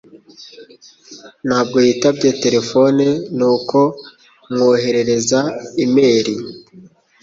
Ntabwo yitabye terefone, nuko mwoherereza imeri.